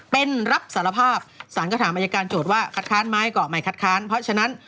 เป็นรับสารภาพสารก็ถามอายการโจทย์ว่าคัดค้านไหมก็ไม่คัดค้านเพราะฉะนั้น